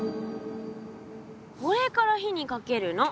これから火にかけるの。